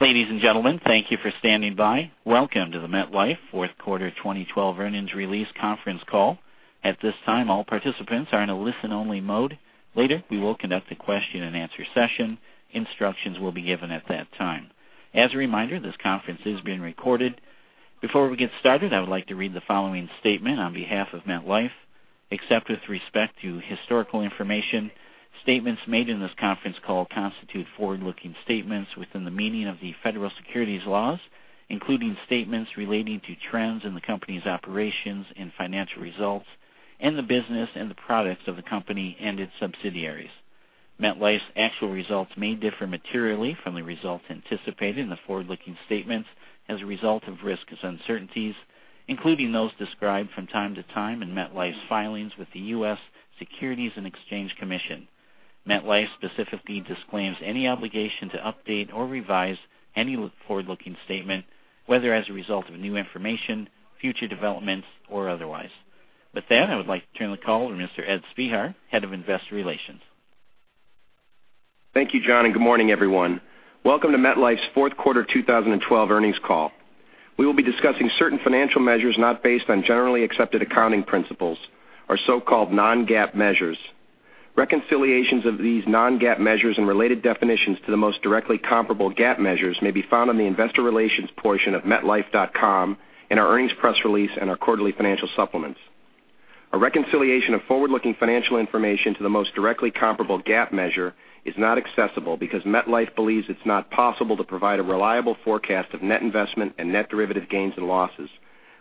Ladies and gentlemen, thank you for standing by. Welcome to the MetLife fourth quarter 2012 earnings release conference call. At this time, all participants are in a listen-only mode. Later, we will conduct a question and answer session. Instructions will be given at that time. As a reminder, this conference is being recorded. Before we get started, I would like to read the following statement on behalf of MetLife. Except with respect to historical information, statements made in this conference call constitute forward-looking statements within the meaning of the Federal Securities laws, including statements relating to trends in the company's operations and financial results, and the business and the products of the company and its subsidiaries. MetLife's actual results may differ materially from the results anticipated in the forward-looking statements as a result of risks and uncertainties, including those described from time to time in MetLife's filings with the U.S. Securities and Exchange Commission. MetLife specifically disclaims any obligation to update or revise any forward-looking statement, whether as a result of new information, future developments, or otherwise. I would like to turn the call to Mr. Edward Spehar, head of Investor Relations. Thank you, John. Good morning, everyone. Welcome to MetLife's fourth quarter 2012 earnings call. We will be discussing certain financial measures not based on generally accepted accounting principles, or so-called non-GAAP measures. Reconciliations of these non-GAAP measures and related definitions to the most directly comparable GAAP measures may be found on the investor relations portion of metlife.com, in our earnings press release, and our quarterly financial supplements. A reconciliation of forward-looking financial information to the most directly comparable GAAP measure is not accessible because MetLife believes it's not possible to provide a reliable forecast of net investment and net derivative gains and losses,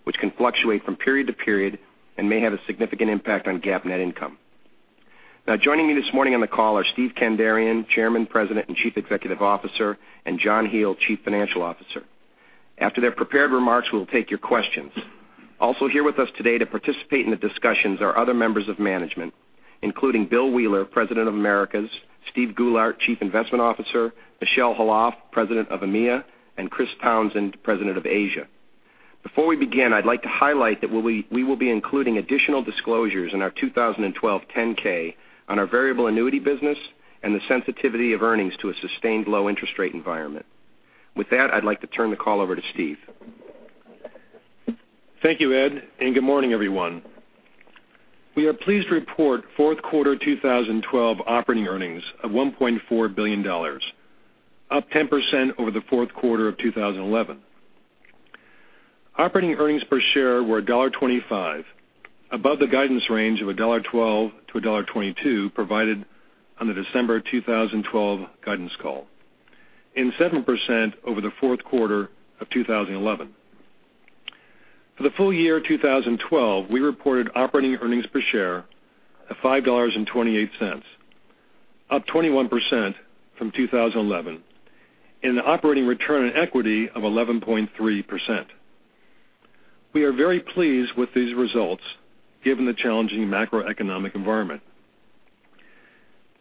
which can fluctuate from period to period and may have a significant impact on GAAP net income. Joining me this morning on the call are Steven Kandarian, Chairman, President, and Chief Executive Officer, and John Hele, Chief Financial Officer. After their prepared remarks, we'll take your questions. Also here with us today to participate in the discussions are other members of management, including William Wheeler, President of Americas, Steven Goulart, Chief Investment Officer, Michel Khalaf, President of EMEA, and Chris Townsend, President of Asia. Before we begin, I'd like to highlight that we will be including additional disclosures in our 2012 10-K on our variable annuity business and the sensitivity of earnings to a sustained low interest rate environment. I'd like to turn the call over to Steve. Thank you, Ed, and good morning, everyone. We are pleased to report fourth quarter 2012 operating earnings of $1.4 billion, up 10% over the fourth quarter of 2011. Operating earnings per share were $1.25, above the guidance range of $1.12-$1.22 provided on the December 2012 guidance call, and 7% over the fourth quarter of 2011. For the full year 2012, we reported operating earnings per share of $5.28, up 21% from 2011, and an operating return on equity of 11.3%. We are very pleased with these results given the challenging macroeconomic environment.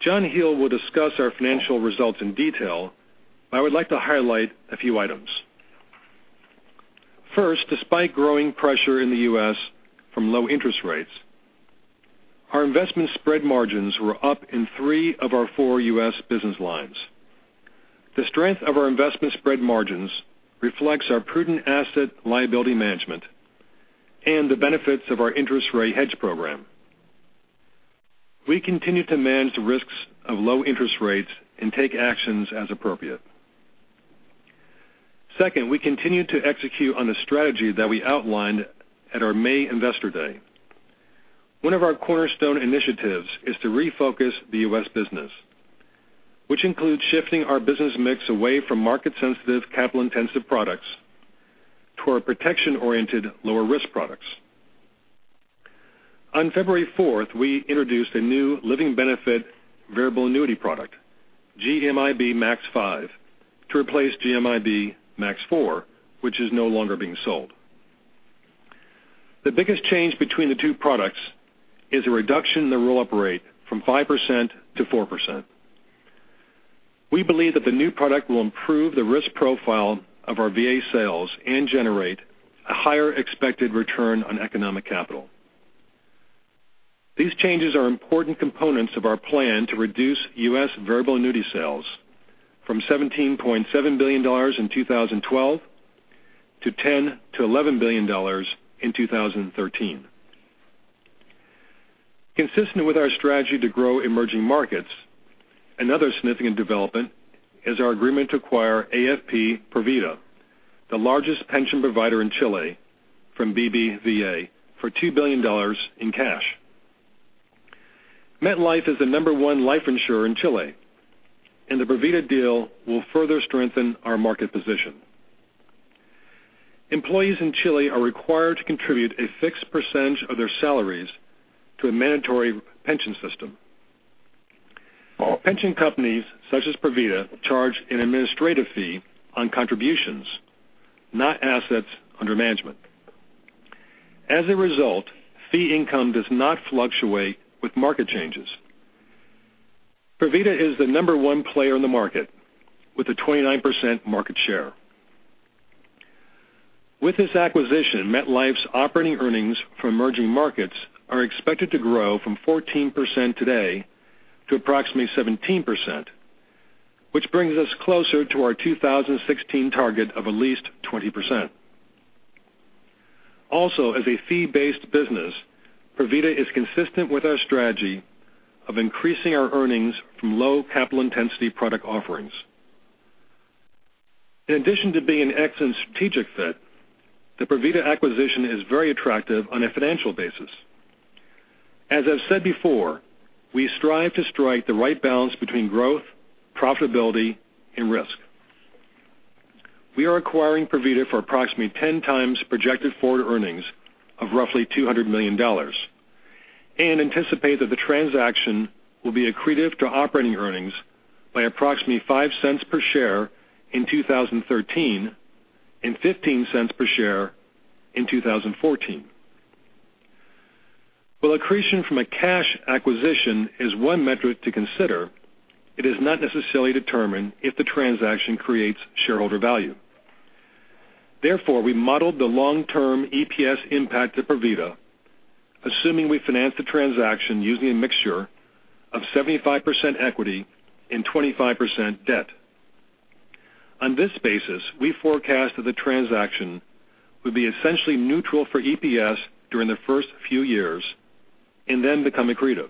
John Hele will discuss our financial results in detail, but I would like to highlight a few items. First, despite growing pressure in the U.S. from low interest rates, our investment spread margins were up in three of our four U.S. business lines. The strength of our investment spread margins reflects our prudent asset liability management and the benefits of our interest rate hedge program. We continue to manage the risks of low interest rates and take actions as appropriate. Second, we continue to execute on the strategy that we outlined at our May investor day. One of our cornerstone initiatives is to refocus the U.S. business, which includes shifting our business mix away from market sensitive, capital intensive products toward protection-oriented, lower risk products. On February 4th, we introduced a new living benefit variable annuity product, GMIB Max V, to replace GMIB Max IV, which is no longer being sold. The biggest change between the two products is a reduction in the roll-up rate from 5%-4%. We believe that the new product will improve the risk profile of our VA sales and generate a higher expected return on economic capital. These changes are important components of our plan to reduce U.S. variable annuity sales from $17.7 billion in 2012 to $10 billion-$11 billion in 2013. Consistent with our strategy to grow emerging markets, another significant development is our agreement to acquire AFP Provida, the largest pension provider in Chile, from BBVA for $2 billion in cash. MetLife is the number one life insurer in Chile, and the Provida deal will further strengthen our market position. Employees in Chile are required to contribute a fixed percentage of their salaries to a mandatory pension system. Pension companies such as Provida charge an administrative fee on contributions, not assets under management. As a result, fee income does not fluctuate with market changes. Provida is the number one player in the market with a 29% market share. With this acquisition, MetLife's operating earnings from emerging markets are expected to grow from 14% today to approximately 17%, which brings us closer to our 2016 target of at least 20%. Also, as a fee-based business, Provida is consistent with our strategy of increasing our earnings from low capital intensity product offerings. In addition to being an excellent strategic fit, the Provida acquisition is very attractive on a financial basis. As I've said before, we strive to strike the right balance between growth, profitability, and risk. We are acquiring Provida for approximately 10 times projected forward earnings of roughly $200 million, and anticipate that the transaction will be accretive to operating earnings by approximately $0.05 per share in 2013 and $0.15 per share in 2014. While accretion from a cash acquisition is one metric to consider, it is not necessarily determined if the transaction creates shareholder value. We modeled the long-term EPS impact of Provida, assuming we finance the transaction using a mixture of 75% equity and 25% debt. On this basis, we forecast that the transaction will be essentially neutral for EPS during the first few years and then become accretive.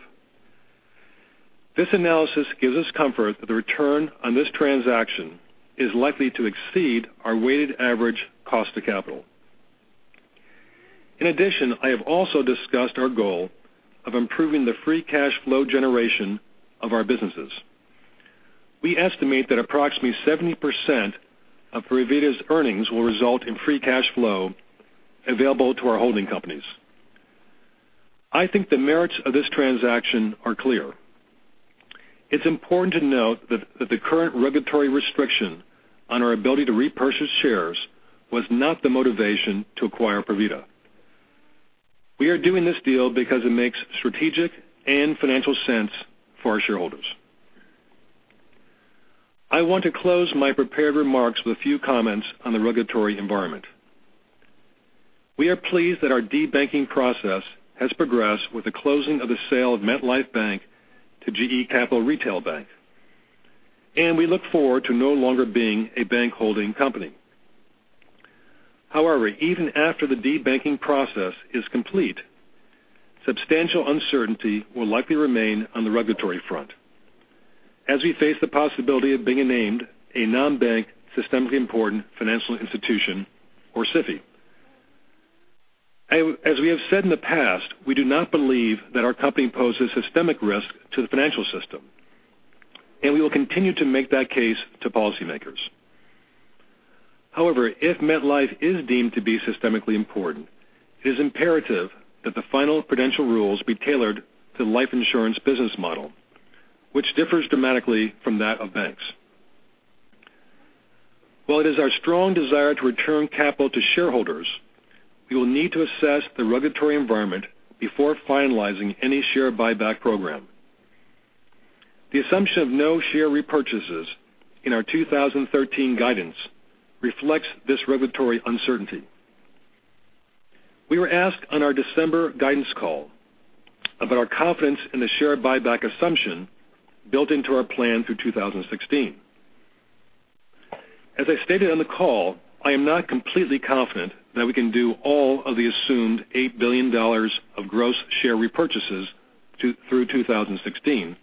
This analysis gives us comfort that the return on this transaction is likely to exceed our weighted average cost of capital. In addition, I have also discussed our goal of improving the free cash flow generation of our businesses. We estimate that approximately 70% of Provida's earnings will result in free cash flow available to our holding companies. I think the merits of this transaction are clear. It's important to note that the current regulatory restriction on our ability to repurchase shares was not the motivation to acquire Provida. We are doing this deal because it makes strategic and financial sense for our shareholders. I want to close my prepared remarks with a few comments on the regulatory environment. We are pleased that our de-banking process has progressed with the closing of the sale of MetLife Bank to GE Capital Retail Bank, and we look forward to no longer being a bank holding company. Even after the de-banking process is complete, substantial uncertainty will likely remain on the regulatory front as we face the possibility of being named a non-bank systemically important financial institution, or SIFI. As we have said in the past, we do not believe that our company poses systemic risk to the financial system, and we will continue to make that case to policymakers. If MetLife is deemed to be systemically important, it is imperative that the final prudential rules be tailored to life insurance business model, which differs dramatically from that of banks. While it is our strong desire to return capital to shareholders, we will need to assess the regulatory environment before finalizing any share buyback program. The assumption of no share repurchases in our 2013 guidance reflects this regulatory uncertainty. We were asked on our December guidance call about our confidence in the share buyback assumption built into our plan through 2016. As I stated on the call, I am not completely confident that we can do all of the assumed $8 billion of gross share repurchases through 2016,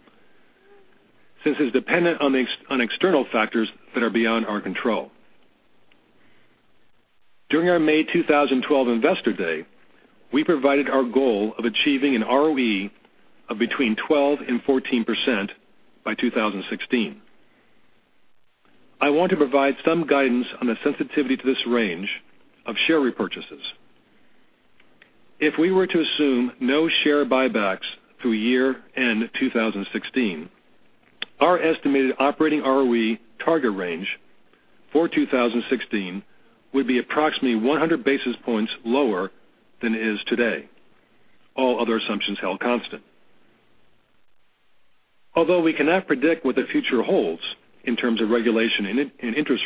since it's dependent on external factors that are beyond our control. During our May 2012 Investor Day, we provided our goal of achieving an ROE of between 12% and 14% by 2016. I want to provide some guidance on the sensitivity to this range of share repurchases. If we were to assume no share buybacks through year-end 2016, our estimated operating ROE target range for 2016 would be approximately 100 basis points lower than it is today, all other assumptions held constant. Although we cannot predict what the future holds in terms of regulation and interest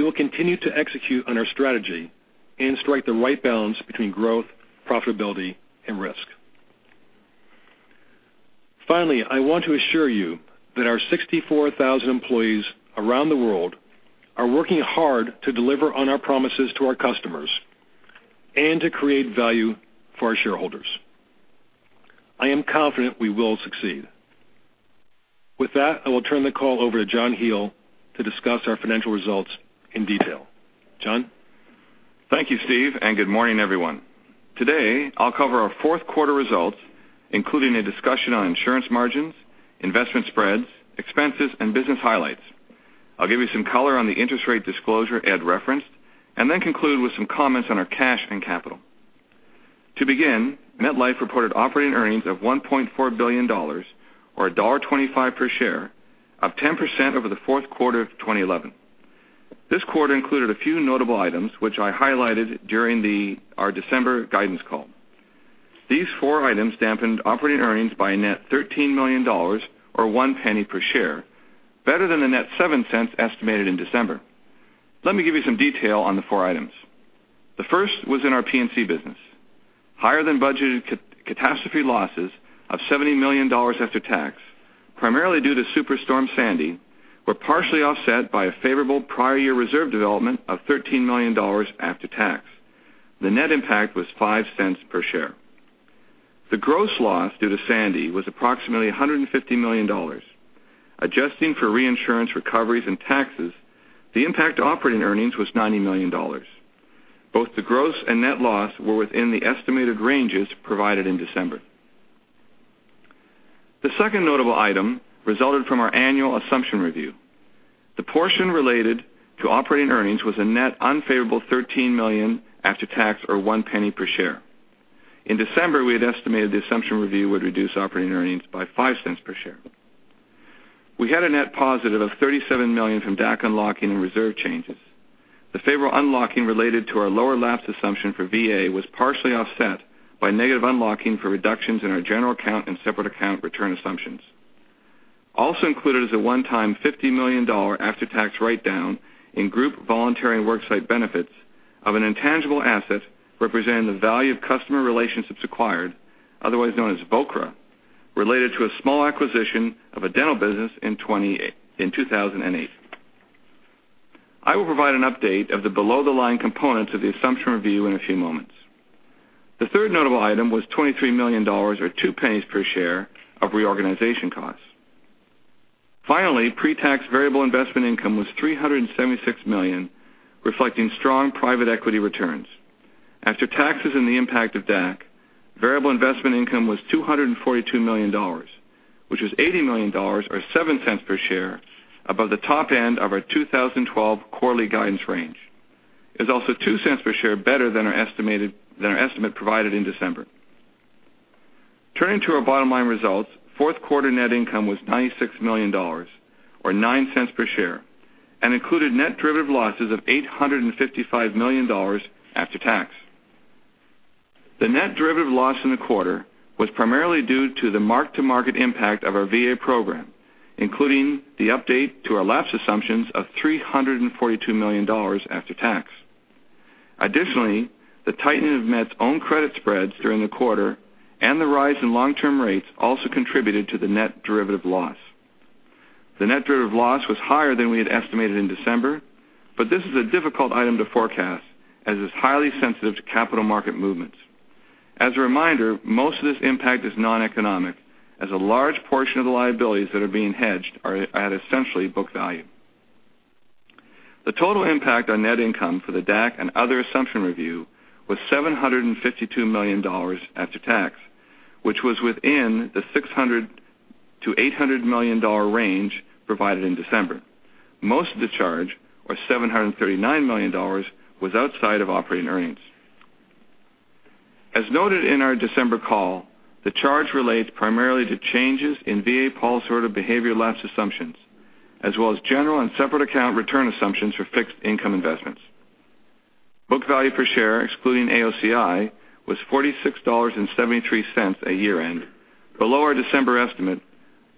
rates, we will continue to execute on our strategy and strike the right balance between growth, profitability, and risk. Finally, I want to assure you that our 64,000 employees around the world are working hard to deliver on our promises to our customers and to create value for our shareholders. I am confident we will succeed. With that, I will turn the call over to John Hele to discuss our financial results in detail. John? Thank you, Steve, and good morning, everyone. Today, I'll cover our fourth quarter results, including a discussion on insurance margins, investment spreads, expenses, and business highlights. I'll give you some color on the interest rate disclosure Ed referenced, and conclude with some comments on our cash and capital. To begin, MetLife reported operating earnings of $1.4 billion, or $1.25 per share, up 10% over the fourth quarter of 2011. This quarter included a few notable items, which I highlighted during our December guidance call. These four items dampened operating earnings by a net $13 million, or $0.01 per share, better than the net $0.07 estimated in December. Let me give you some detail on the four items. The first was in our P&C business. Higher-than-budgeted catastrophe losses of $70 million after tax, primarily due to Superstorm Sandy, were partially offset by a favorable prior year reserve development of $13 million after tax. The net impact was $0.05 per share. The gross loss due to Sandy was approximately $150 million. Adjusting for reinsurance recoveries and taxes, the impact to operating earnings was $90 million. Both the gross and net loss were within the estimated ranges provided in December. The second notable item resulted from our annual assumption review. The portion related to operating earnings was a net unfavorable $13 million after tax, or $0.01 per share. In December, we had estimated the assumption review would reduce operating earnings by $0.05 per share. We had a net positive of $37 million from DAC unlocking and reserve changes. The favorable unlocking related to our lower lapse assumption for VA was partially offset by negative unlocking for reductions in our general account and separate account return assumptions. Also included is a one-time $50 million after-tax write-down in group voluntary and worksite benefits of an intangible asset representing the value of customer relationships acquired, otherwise known as VOCRA, related to a small acquisition of a dental business in 2008. I will provide an update of the below-the-line components of the assumption review in a few moments. The third notable item was $23 million, or $0.02 per share, of reorganization costs. Pretax variable investment income was $376 million, reflecting strong private equity returns. After taxes and the impact of DAC, variable investment income was $242 million, which is $80 million, or $0.07 per share, above the top end of our 2012 quarterly guidance range. It is also $0.02 per share better than our estimate provided in December. Turning to our bottom line results, fourth quarter net income was $96 million, or $0.09 per share, and included net derivative losses of $855 million after tax. The net derivative loss in the quarter was primarily due to the mark-to-market impact of our VA program, including the update to our lapse assumptions of $342 million after tax. Additionally, the tightening of Met's own credit spreads during the quarter and the rise in long-term rates also contributed to the net derivative loss. The net derivative loss was higher than we had estimated in December, this is a difficult item to forecast, as it's highly sensitive to capital market movements. As a reminder, most of this impact is non-economic, as a large portion of the liabilities that are being hedged are at essentially book value. The total impact on net income for the DAC and other assumption review was $752 million after tax, which was within the $600 million-$800 million range provided in December. Most of the charge, or $739 million, was outside of operating earnings. As noted in our December call, the charge relates primarily to changes in VA policy or the behavior lapse assumptions, as well as general and separate account return assumptions for fixed income investments. Book value per share, excluding AOCI, was $46.73 at year-end, below our December estimate,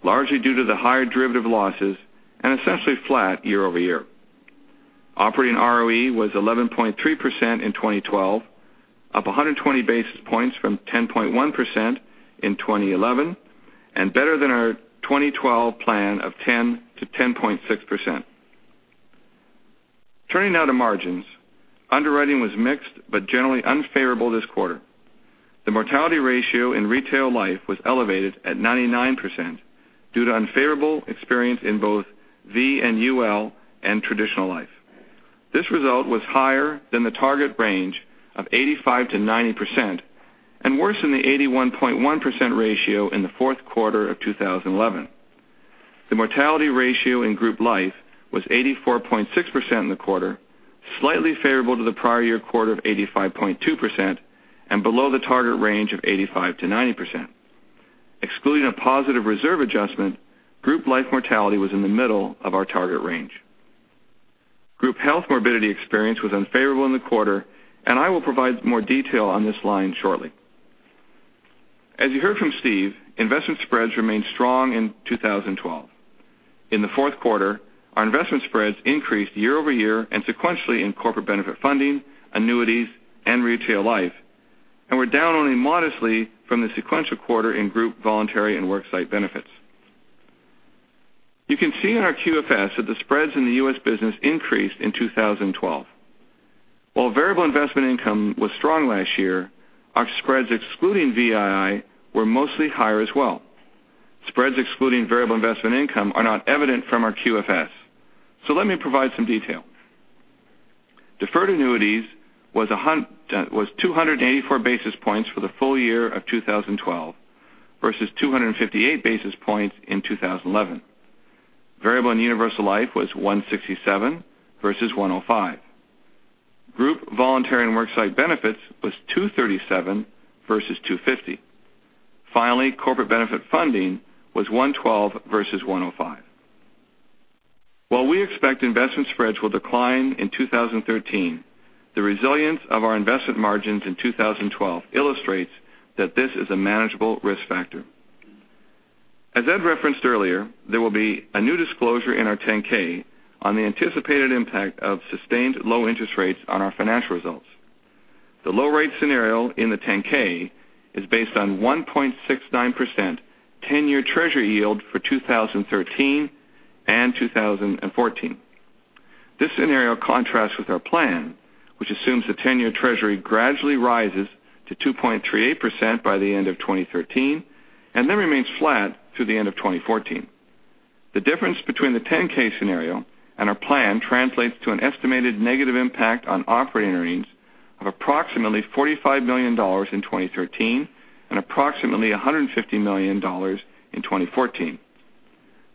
largely due to the higher derivative losses and essentially flat year-over-year. Operating ROE was 11.3% in 2012, up 120 basis points from 10.1% in 2011, and better than our 2012 plan of 10%-10.6%. Turning now to margins. Underwriting was mixed but generally unfavorable this quarter. The mortality ratio in retail life was elevated at 99% due to unfavorable experience in both VUL and UL and traditional life. This result was higher than the target range of 85%-90% and worse than the 81.1% ratio in the fourth quarter of 2011. The mortality ratio in group life was 84.6% in the quarter, slightly favorable to the prior year quarter of 85.2%, and below the target range of 85%-90%. Excluding a positive reserve adjustment, group life mortality was in the middle of our target range. Group health morbidity experience was unfavorable in the quarter. I will provide more detail on this line shortly. As you heard from Steve, investment spreads remained strong in 2012. In the fourth quarter, our investment spreads increased year-over-year and sequentially in corporate benefit funding, annuities, and retail life. Were down only modestly from the sequential quarter in group, voluntary, and worksite benefits. You can see in our QFS that the spreads in the U.S. business increased in 2012. While variable investment income was strong last year, our spreads excluding VII were mostly higher as well. Spreads excluding variable investment income are not evident from our QFS. Let me provide some detail. Deferred annuities was 284 basis points for the full year of 2012 versus 258 basis points in 2011. Variable Universal Life was 167 versus 105. Group, voluntary, and worksite benefits was 237 versus 250. Finally, corporate benefit funding was 112 versus 105. While we expect investment spreads will decline in 2013, the resilience of our investment margins in 2012 illustrates that this is a manageable risk factor. As Ed referenced earlier, there will be a new disclosure in our 10-K on the anticipated impact of sustained low interest rates on our financial results. The low rate scenario in the 10-K is based on 1.69% 10-year treasury yield for 2013 and 2014. This scenario contrasts with our plan, which assumes the 10-year treasury gradually rises to 2.38% by the end of 2013. Then remains flat through the end of 2014. The difference between the 10-K scenario and our plan translates to an estimated negative impact on operating earnings of approximately $45 million in 2013 and approximately $150 million in 2014.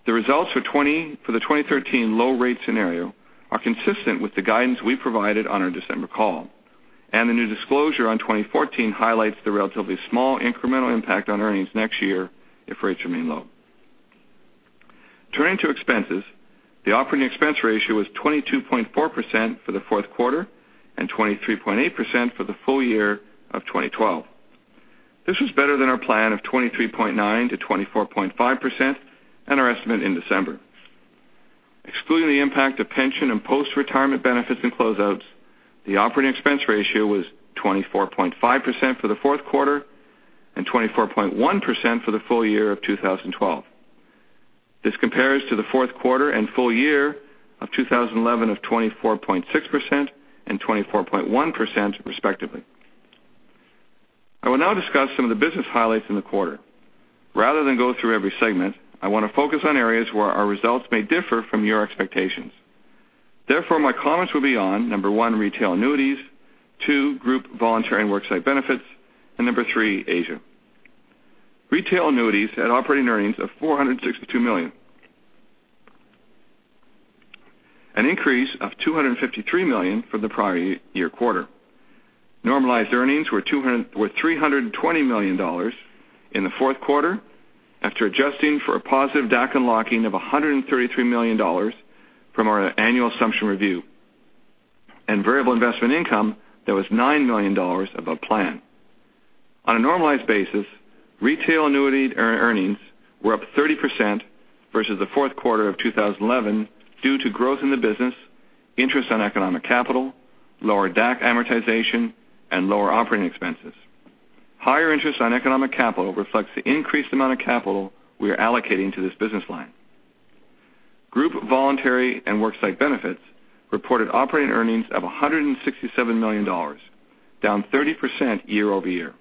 The results for the 2013 low rate scenario are consistent with the guidance we provided on our December call. The new disclosure on 2014 highlights the relatively small incremental impact on earnings next year if rates remain low. Turning to expenses, the operating expense ratio was 22.4% for the fourth quarter and 23.8% for the full year of 2012. This was better than our plan of 23.9%-24.5% and our estimate in December. Excluding the impact of pension and post-retirement benefits and closeouts, the operating expense ratio was 24.5% for the fourth quarter and 24.1% for the full year of 2012. This compares to the fourth quarter and full year of 2011 of 24.6% and 24.1% respectively. I will now discuss some of the business highlights in the quarter. Rather than go through every segment, I want to focus on areas where our results may differ from your expectations. Therefore, my comments will be on, number 1, retail annuities, 2, group voluntary and worksite benefits, and number 3, Asia. Retail annuities had operating earnings of $462 million, an increase of $253 million from the prior year quarter. Normalized earnings were $320 million in the fourth quarter after adjusting for a positive DAC unlocking of $133 million from our annual assumption review and variable investment income that was $9 million above plan. On a normalized basis, retail annuity earnings were up 30% versus the fourth quarter of 2011 due to growth in the business, interest on economic capital, lower DAC amortization, and lower operating expenses. Higher interest on economic capital reflects the increased amount of capital we are allocating to this business line. Group voluntary and worksite benefits reported operating earnings of $167 million, down 30% year-over-year.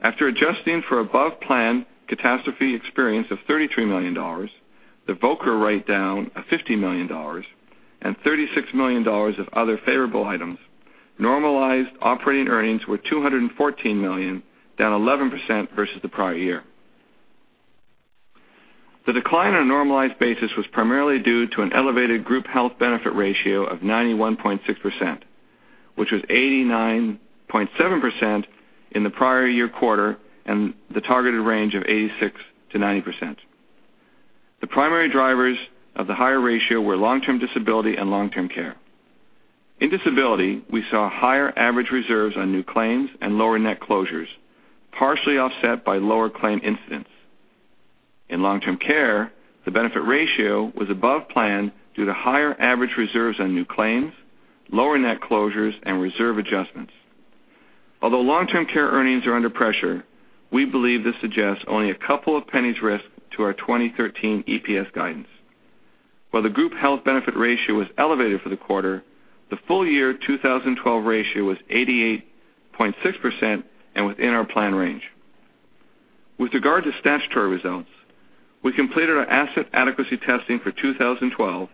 After adjusting for above plan catastrophe experience of $33 million, the VOCRA write down of $50 million and $36 million of other favorable items, normalized operating earnings were $214 million, down 11% versus the prior year. The decline on a normalized basis was primarily due to an elevated group health benefit ratio of 91.6%, which was 89.7% in the prior year quarter, and the targeted range of 86%-90%. The primary drivers of the higher ratio were long-term disability and long-term care. In disability, we saw higher average reserves on new claims and lower net closures, partially offset by lower claim incidents. In long-term care, the benefit ratio was above plan due to higher average reserves on new claims, lower net closures, and reserve adjustments. Although long-term care earnings are under pressure, we believe this suggests only a couple of pennies risk to our 2013 EPS guidance. While the group health benefit ratio was elevated for the quarter, the full year 2012 ratio was 88.6% and within our plan range. With regard to statutory results, we completed our asset adequacy testing for 2012,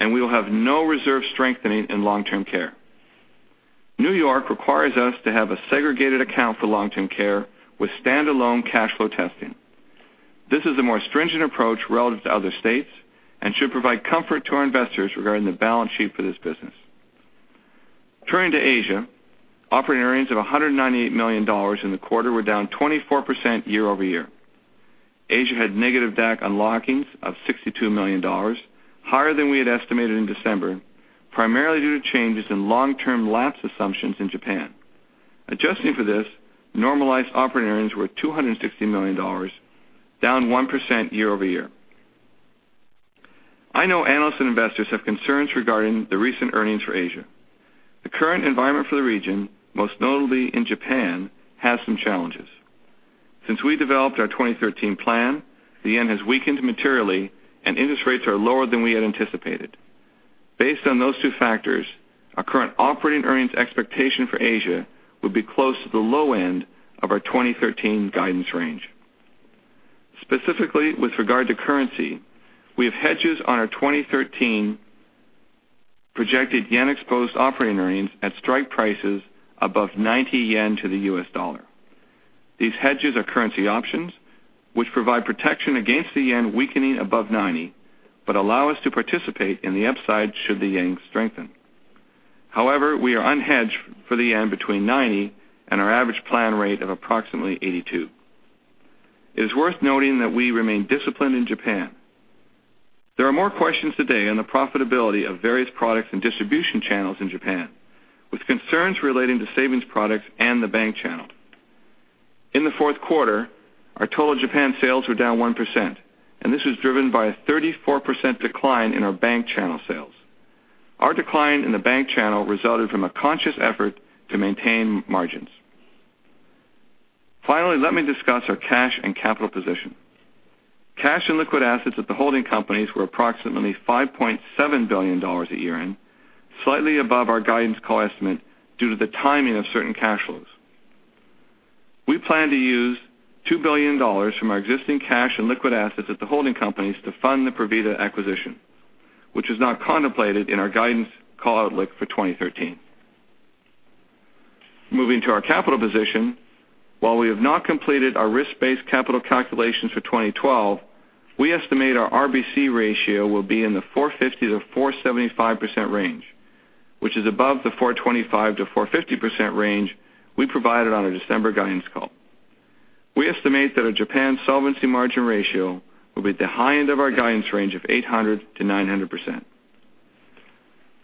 and we will have no reserve strengthening in long-term care. New York requires us to have a segregated account for long-term care with standalone cash flow testing. This is a more stringent approach relative to other states and should provide comfort to our investors regarding the balance sheet for this business. Turning to Asia, operating earnings of $198 million in the quarter were down 24% year-over-year. Asia had negative DAC unlockings of $62 million, higher than we had estimated in December, primarily due to changes in long-term lapse assumptions in Japan. Adjusting for this, normalized operating earnings were $260 million, down 1% year-over-year. I know analysts and investors have concerns regarding the recent earnings for Asia. The current environment for the region, most notably in Japan, has some challenges. Since we developed our 2013 plan, the yen has weakened materially, and interest rates are lower than we had anticipated. Based on those two factors, our current operating earnings expectation for Asia will be close to the low end of our 2013 guidance range. Specifically, with regard to currency, we have hedges on our 2013 projected yen exposed operating earnings at strike prices above 90 yen to the US dollar. These hedges are currency options, which provide protection against the yen weakening above 90 but allow us to participate in the upside should the yen strengthen. However, we are unhedged for the yen between 90 and our average plan rate of approximately 82. It is worth noting that we remain disciplined in Japan. There are more questions today on the profitability of various products and distribution channels in Japan, with concerns relating to savings products and the bank channel. In the fourth quarter, our total Japan sales were down 1%, and this was driven by a 34% decline in our bank channel sales. Our decline in the bank channel resulted from a conscious effort to maintain margins. Finally, let me discuss our cash and capital position. Cash and liquid assets at the holding companies were approximately $5.7 billion at year-end, slightly above our guidance call estimate due to the timing of certain cash flows. We plan to use $2 billion from our existing cash and liquid assets at the holding companies to fund the Provida acquisition, which is not contemplated in our guidance call outlook for 2013. Moving to our capital position, while we have not completed our risk-based capital calculations for 2012, we estimate our RBC ratio will be in the 450%-475% range, which is above the 425%-450% range we provided on our December guidance call. We estimate that our Japan solvency margin ratio will be at the high end of our guidance range of 800%-900%.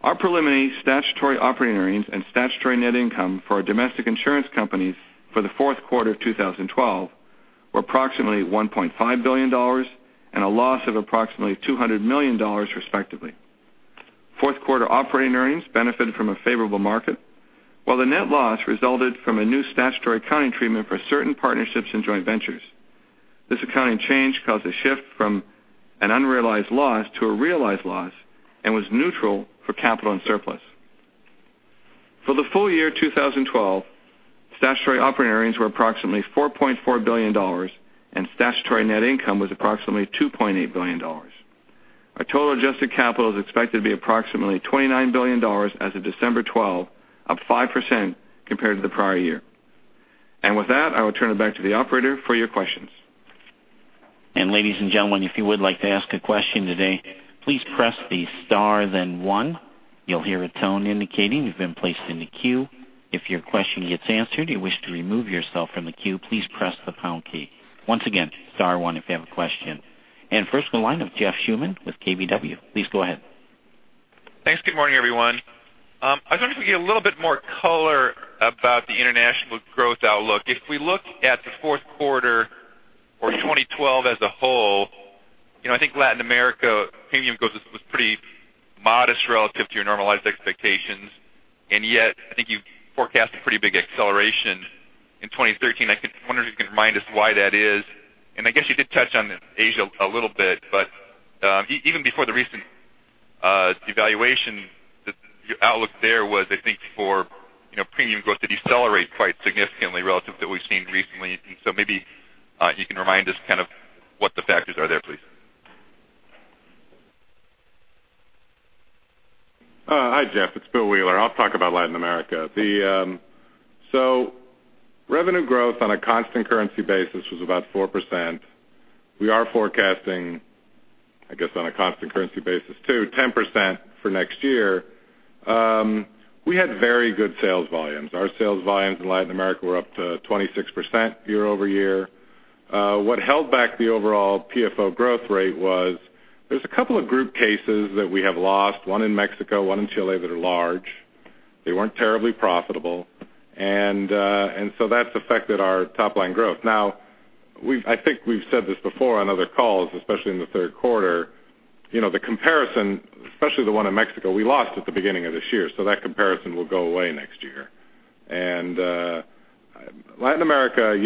Our preliminary statutory operating earnings and statutory net income for our domestic insurance companies for the fourth quarter of 2012 were approximately $1.5 billion and a loss of approximately $200 million respectively. Fourth quarter operating earnings benefited from a favorable market, while the net loss resulted from a new statutory accounting treatment for certain partnerships and joint ventures. This accounting change caused a shift from an unrealized loss to a realized loss and was neutral for capital and surplus. For the full year 2012, statutory operating earnings were approximately $4.4 billion, and statutory net income was approximately $2.8 billion. Our total adjusted capital is expected to be approximately $29 billion as of December 12, up 5% compared to the prior year. With that, I will turn it back to the operator for your questions. Ladies and gentlemen, if you would like to ask a question today, please press the star then one. You'll hear a tone indicating you've been placed in the queue. If your question gets answered, you wish to remove yourself from the queue, please press the pound key. Once again, star one if you have a question. First in the line of Jeff Schuman with KBW. Please go ahead. Thanks. Good morning, everyone. I was wondering if we could get a little bit more color about the international growth outlook. If we look at the fourth quarter or 2012 as a whole, I think Latin America premium growth was pretty modest relative to your normalized expectations, yet I think you forecast a pretty big acceleration in 2013. I wonder if you can remind us why that is. I guess you did touch on Asia a little bit, but even before the recent devaluation, your outlook there was, I think, for premium growth to decelerate quite significantly relative to what we've seen recently. Maybe you can remind us what the factors are there, please. Hi, Jeff. It's William Wheeler. I'll talk about Latin America. Revenue growth on a constant currency basis was about 4%. We are forecasting, I guess, on a constant currency basis too, 10% for next year. We had very good sales volumes. Our sales volumes in Latin America were up to 26% year-over-year. What held back the overall PFO growth rate was there's a couple of group cases that we have lost, one in Mexico, one in Chile, that are large. They weren't terribly profitable, so that's affected our top-line growth. I think we've said this before on other calls, especially in the third quarter, the comparison, especially the one in Mexico, we lost at the beginning of this year, so that comparison will go away next year. Latin America,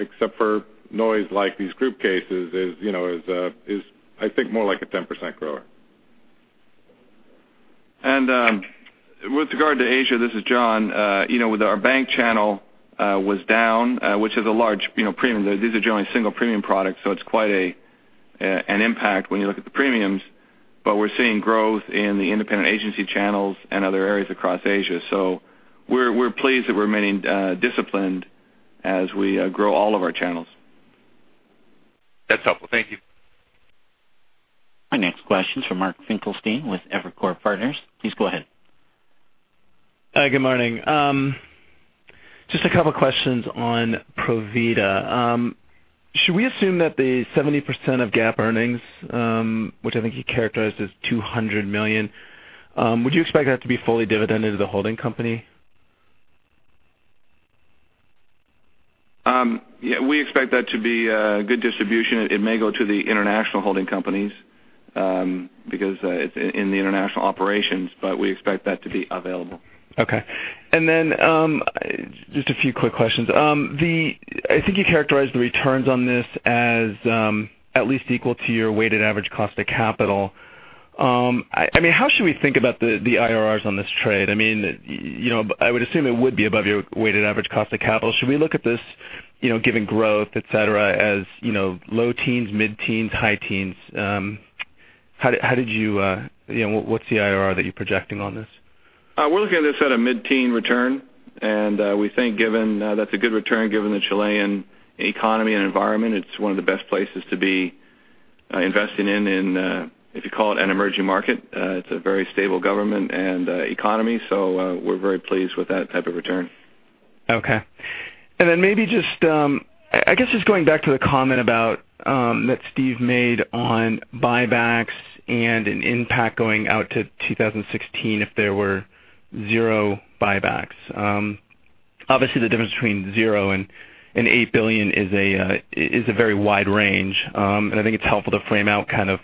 except for noise like these group cases is, I think, more like a 10% grower. With regard to Asia, this is John. Our bank channel was down, which is a large premium. These are generally single premium products, so it's quite an impact when you look at the premiums, but we're seeing growth in the independent agency channels and other areas across Asia. We're pleased that we're remaining disciplined as we grow all of our channels. That's helpful. Thank you. Our next question is from Mark Finkelstein with Evercore Partners. Please go ahead. Hi. Good morning. Just a couple questions on Provida. Should we assume that the 70% of GAAP earnings, which I think you characterized as $200 million, would you expect that to be fully dividended to the holding company? We expect that to be a good distribution. It may go to the international holding companies because it's in the international operations, but we expect that to be available. Okay. Just a few quick questions. I think you characterized the returns on this as at least equal to your weighted average cost of capital. How should we think about the IRRs on this trade? I would assume it would be above your weighted average cost of capital. Should we look at this given growth, et cetera, as low teens, mid-teens, high teens? What's the IRR that you're projecting on this? We're looking at this at a mid-teen return. We think that's a good return given the Chilean economy and environment. It's one of the best places to be investing in, if you call it an emerging market, it's a very stable government and economy. We're very pleased with that type of return. Okay. Maybe just going back to the comment that Steve made on buybacks and an impact going out to 2016 if there were zero buybacks. Obviously, the difference between zero and $8 billion is a very wide range. I think it's helpful to frame out kind of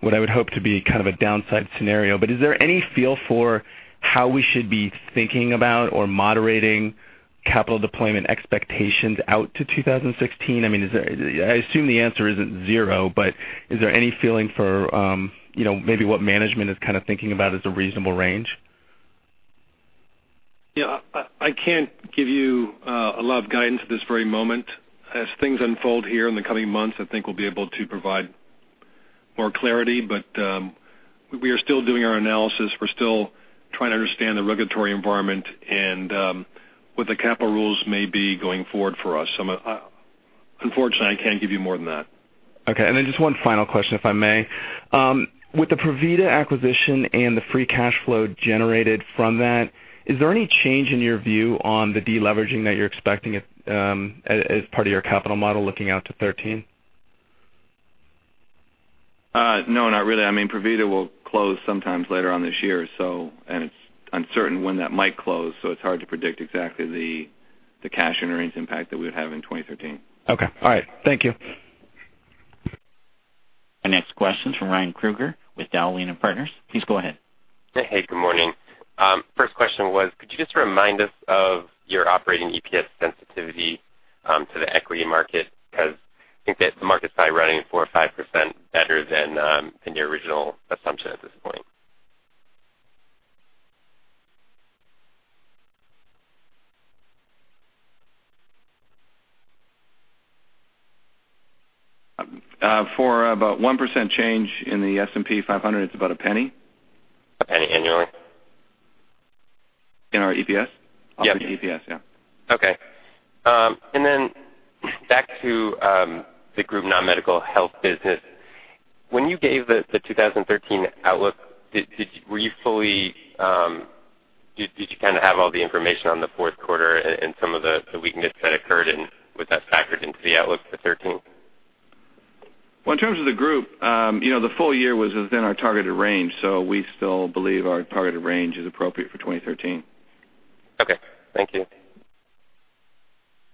what I would hope to be kind of a downside scenario. Is there any feel for how we should be thinking about or moderating capital deployment expectations out to 2016? I assume the answer isn't zero, is there any feeling for maybe what management is kind of thinking about as a reasonable range? Yeah. I can't give you a lot of guidance at this very moment. As things unfold here in the coming months, I think we'll be able to provide more clarity, but we are still doing our analysis. We're still trying to understand the regulatory environment and what the capital rules may be going forward for us. Unfortunately, I can't give you more than that. Okay. Just one final question, if I may. With the Provida acquisition and the free cash flow generated from that, is there any change in your view on the de-leveraging that you're expecting as part of your capital model looking out to 2013? No, not really. Provida will close sometime later on this year, it's uncertain when that might close, it's hard to predict exactly the cash and earnings impact that we would have in 2013. Okay. All right. Thank you. Our next question's from Ryan Krueger with Dowling & Partners. Please go ahead. Good morning. First question was, could you just remind us of your operating EPS sensitivity to the equity market? I think that the market's probably running at 4% or 5% better than your original assumption at this point. For about 1% change in the S&P 500, it's about $0.01. $0.01 annually? In our EPS? Yep. Operating EPS, yeah. Okay. Back to the group non-medical health business. When you gave the 2013 outlook, did you kind of have all the information on the fourth quarter and some of the weakness that occurred, and was that factored into the outlook for 2013? Well, in terms of the group, the full year was within our targeted range, so we still believe our targeted range is appropriate for 2013. Okay. Thank you.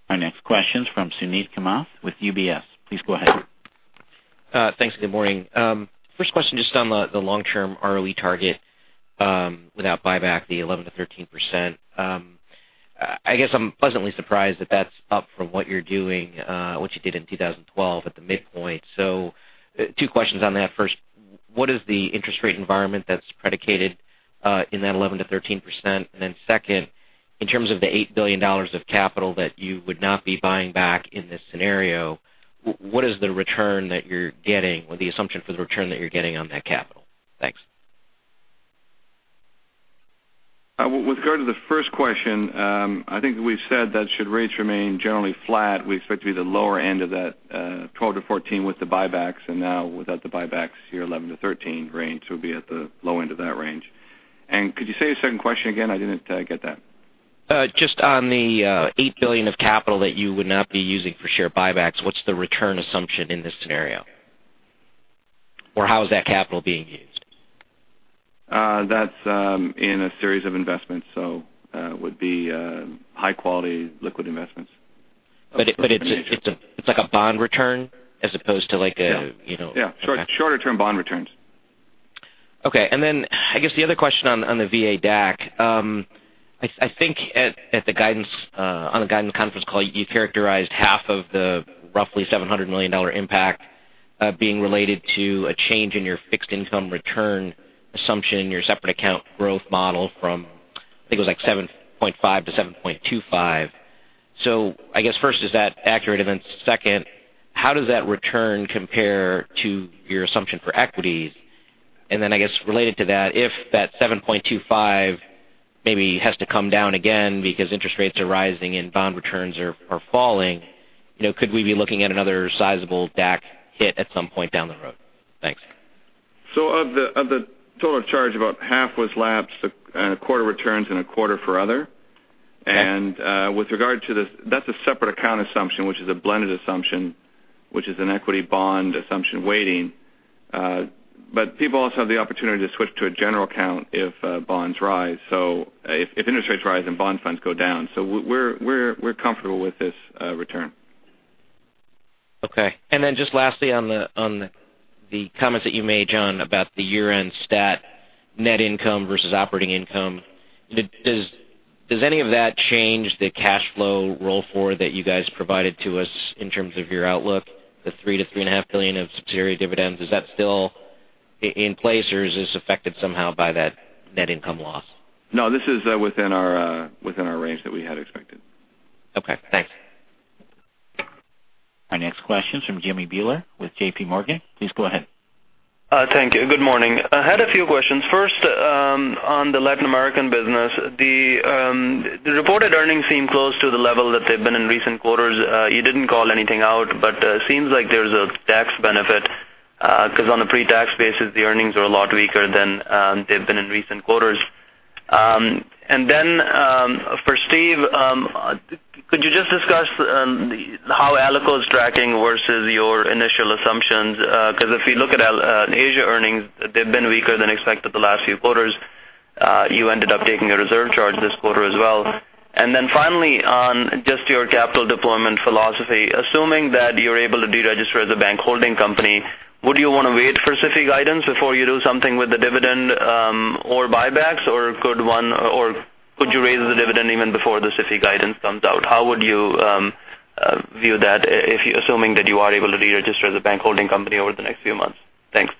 Our next question's from Suneet Kamath with UBS. Please go ahead. Thanks. Good morning. First question just on the long-term ROE target without buyback, the 11%-13%. I guess I'm pleasantly surprised that that's up from what you did in 2012 at the midpoint. Two questions on that. First, what is the interest rate environment that's predicated in that 11%-13%? Second, in terms of the $8 billion of capital that you would not be buying back in this scenario, what is the return that you're getting or the assumption for the return that you're getting on that capital? Thanks. With regard to the first question, I think that we've said that should rates remain generally flat, we expect to be the lower end of that 12%-14% with the buybacks. Now without the buybacks, your 11%-13% range will be at the low end of that range. Could you say the second question again? I didn't get that. Just on the $8 billion of capital that you would not be using for share buybacks, what's the return assumption in this scenario? How is that capital being used? That's in a series of investments. Would be high-quality liquid investments. It's like a bond return as opposed to like a- Yeah. Okay. Shorter-term bond returns. Okay. I guess the other question on the VA DAC. I think on the guidance conference call, you characterized half of the roughly $700 million impact being related to a change in your fixed income return assumption in your separate account growth model from, I think it was like 7.5 to 7.25. I guess first, is that accurate? Then second, how does that return compare to your assumption for equities? I guess related to that, if that 7.25 maybe has to come down again because interest rates are rising and bond returns are falling, could we be looking at another sizable DAC hit at some point down the road? Thanks. Of the total charge, about half was lapsed, a quarter returns, and a quarter for other. Okay. With regard to this, that's a separate account assumption, which is a blended assumption, which is an equity bond assumption weighting. People also have the opportunity to switch to a general account if bonds rise. If interest rates rise, then bond funds go down. We're comfortable with this return. Okay. Then just lastly on the comments that you made, John, about the year-end stat net income versus operating income. Does any of that change the cash flow roll forward that you guys provided to us in terms of your outlook, the $3 billion-$3.5 billion of subsidiary dividends? Is that still in place, or is this affected somehow by that net income loss? No, this is within our range that we had expected. Okay, thanks. Our next question is from Jimmy Bhullar with J.P. Morgan. Please go ahead. Thank you. Good morning. I had a few questions. First, on the Latin American business, the reported earnings seem close to the level that they've been in recent quarters. You didn't call anything out, but it seems like there's a tax benefit, because on a pre-tax basis, the earnings are a lot weaker than they've been in recent quarters. For Steve, could you just discuss how Alico is tracking versus your initial assumptions? Because if we look at Asia earnings, they've been weaker than expected the last few quarters. You ended up taking a reserve charge this quarter as well. Finally, on just your capital deployment philosophy, assuming that you're able to de-register as a bank holding company, would you want to wait for SIFI guidance before you do something with the dividend or buybacks? Could you raise the dividend even before the SIFI guidance comes out? How would you view that, assuming that you are able to de-register as a bank holding company over the next few months? Thanks.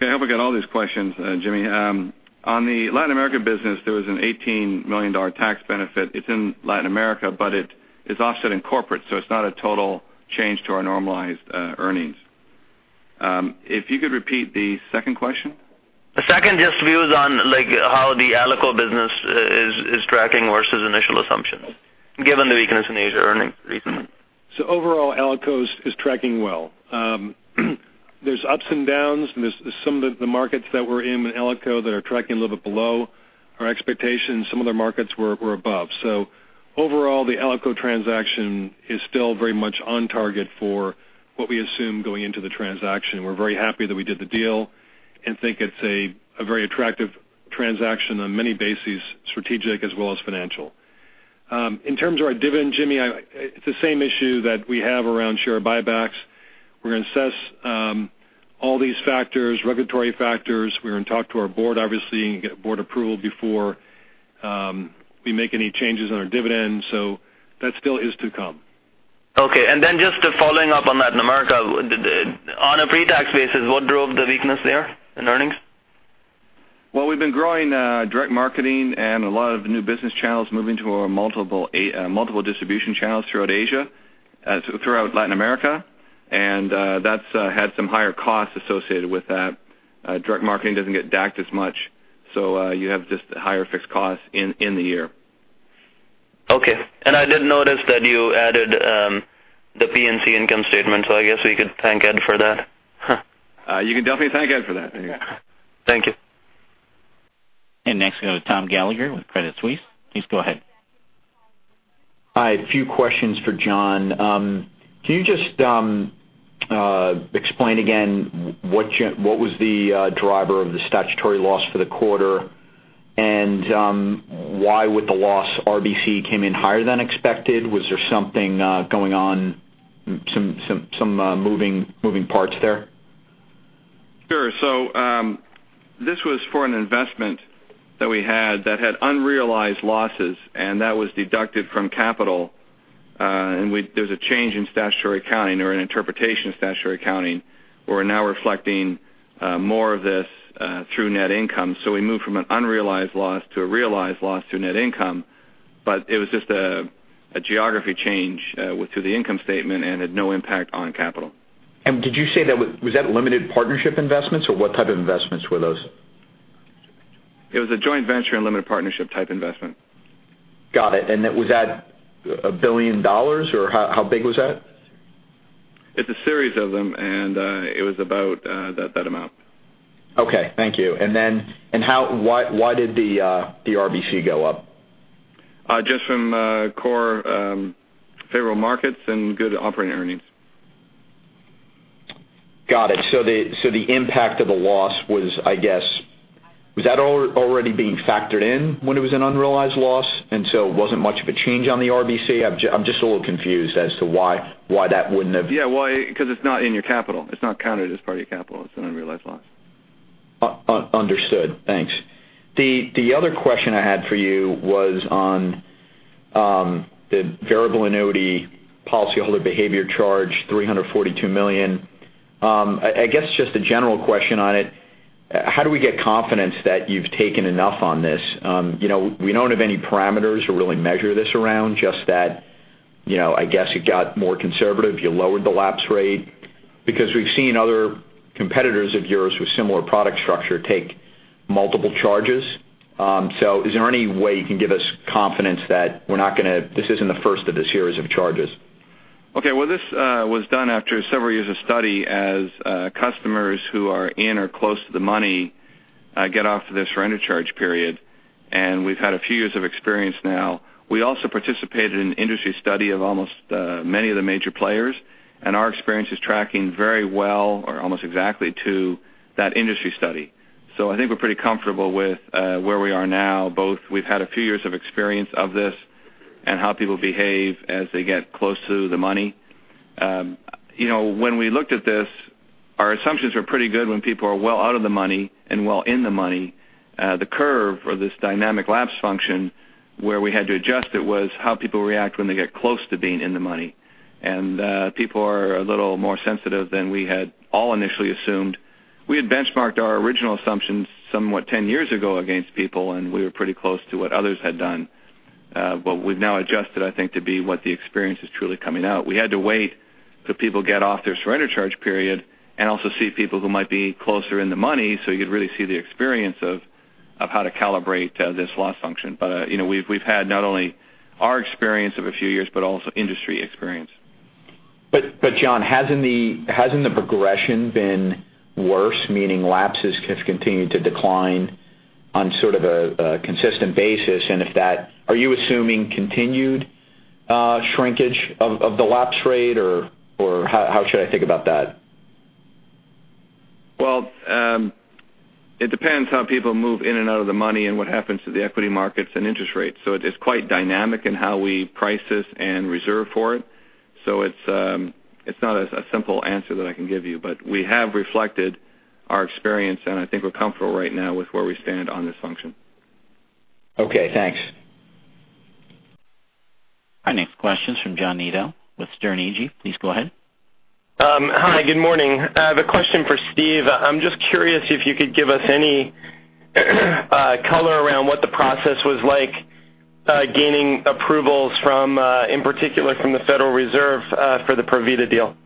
Yeah, I hope I get all these questions, Jimmy. On the Latin American business, there was an $18 million tax benefit. It's in Latin America, but it is offset in corporate, it's not a total change to our normalized earnings. If you could repeat the second question. The second just views on how the Alico business is tracking versus initial assumptions, given the weakness in Asia earnings recently. Overall, Alico is tracking well. There's ups and downs, and there's some of the markets that we're in Alico that are tracking a little bit below our expectations. Some other markets were above. Overall, the Alico transaction is still very much on target for what we assumed going into the transaction. We're very happy that we did the deal and think it's a very attractive transaction on many bases, strategic as well as financial. In terms of our dividend, Jimmy, it's the same issue that we have around share buybacks. We're going to assess all these factors, regulatory factors. We're going to talk to our board, obviously, and get board approval before we make any changes in our dividend. That still is to come. Okay, then just following up on Latin America. On a pre-tax basis, what drove the weakness there in earnings? Well, we've been growing direct marketing and a lot of new business channels, moving to our multiple distribution channels throughout Latin America, that's had some higher costs associated with that. Direct marketing doesn't get DAC as much, you have just higher fixed costs in the year. Okay. I did notice that you added the P&C income statement, I guess we could thank Ed for that. You can definitely thank Ed for that. Yeah. Thank you. Next we go to Tom Gallagher with Credit Suisse. Please go ahead. Hi, a few questions for John. Can you just explain again what was the driver of the statutory loss for the quarter, and why would the loss RBC came in higher than expected? Was there something going on, some moving parts there? Sure. This was for an investment that we had that had unrealized losses, and that was deducted from capital. There's a change in statutory accounting or an interpretation of statutory accounting. We're now reflecting more of this through net income. We moved from an unrealized loss to a realized loss through net income. It was just a geography change through the income statement and had no impact on capital. Did you say that was limited partnership investments, or what type of investments were those? It was a joint venture and limited partnership type investment. Got it. Was that $1 billion, or how big was that? It's a series of them, and it was about that amount. Okay, thank you. Why did the RBC go up? Just from core favorable markets and good operating earnings. Got it. The impact of the loss was, I guess, was that already being factored in when it was an unrealized loss, and so it wasn't much of a change on the RBC? I'm just a little confused as to why that wouldn't have- Yeah, why? It's not in your capital. It's not counted as part of your capital. It's an unrealized loss. Understood. Thanks. The other question I had for you was on the variable annuity policyholder behavior charge, $342 million. I guess just a general question on it. How do we get confidence that you've taken enough on this? We don't have any parameters to really measure this around, just that, I guess you got more conservative, you lowered the lapse rate. We've seen other competitors of yours with similar product structure take multiple charges. Is there any way you can give us confidence that this isn't the first of the series of charges? Okay. Well, this was done after several years of study as customers who are in or close to the money get off of this surrender charge period. We've had a few years of experience now. We also participated in an industry study of almost many of the major players, and our experience is tracking very well or almost exactly to that industry study. I think we're pretty comfortable with where we are now, both we've had a few years of experience of this and how people behave as they get close to the money. When we looked at this, our assumptions were pretty good when people are well out of the money and well in the money. The curve for this dynamic lapse function, where we had to adjust it was how people react when they get close to being in the money. People are a little more sensitive than we had all initially assumed. We had benchmarked our original assumptions somewhat 10 years ago against people, and we were pretty close to what others had done. We've now adjusted, I think, to be what the experience is truly coming out. We had to wait till people get off their surrender charge period and also see people who might be closer in the money, so you could really see the experience of how to calibrate this lapse function. We've had not only our experience of a few years, but also industry experience. John, hasn't the progression been worse, meaning lapses have continued to decline on sort of a consistent basis? If that, are you assuming continued shrinkage of the lapse rate, or how should I think about that? Well, it depends how people move in and out of the money and what happens to the equity markets and interest rates. It's quite dynamic in how we price this and reserve for it. It's not a simple answer that I can give you, but we have reflected our experience, and I think we're comfortable right now with where we stand on this function. Okay, thanks. Our next question's from John Nadel with Sterne Agee. Please go ahead. Hi, good morning. I have a question for Steve. I'm just curious if you could give us any color around what the process was like gaining approvals from, in particular from the Federal Reserve for the Provida deal.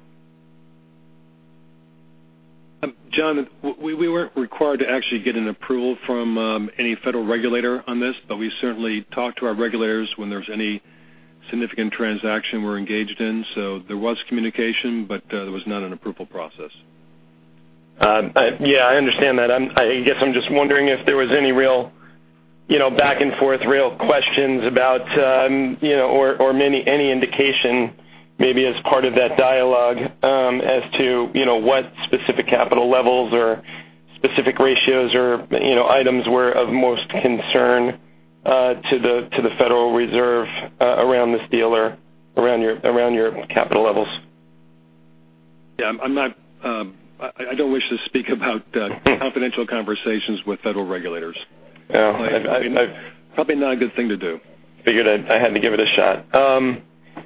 John, we weren't required to actually get an approval from any federal regulator on this, but we certainly talk to our regulators when there's any significant transaction we're engaged in. There was communication, but there was not an approval process. Yeah, I understand that. I guess I'm just wondering if there was any real back and forth, real questions about, or any indication maybe as part of that dialogue as to what specific capital levels or specific ratios or items were of most concern to the Federal Reserve around this deal or around your capital levels. Yeah, I don't wish to speak about confidential conversations with federal regulators. Oh, Probably not a good thing to do. Figured I had to give it a shot.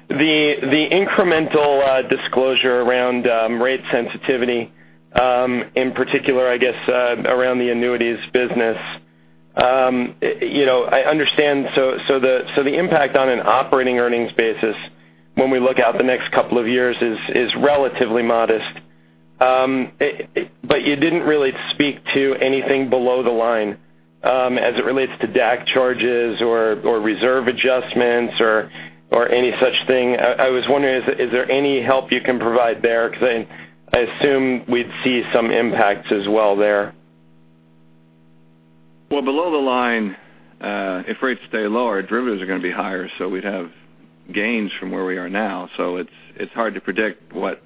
The incremental disclosure around rate sensitivity, in particular, I guess, around the annuities business, I understand, so the impact on an operating earnings basis when we look out the next couple of years is relatively modest. You didn't really speak to anything below the line as it relates to DAC charges or reserve adjustments or any such thing. I was wondering, is there any help you can provide there? I assume we'd see some impacts as well there. Well, below the line, if rates stay lower, derivatives are going to be higher, so we'd have gains from where we are now. It's hard to predict what,